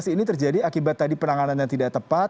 apakah ini terjadi akibat tadi penanganannya tidak tepat